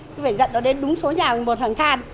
tôi phải dẫn nó đến đúng số nhà một hàng thàn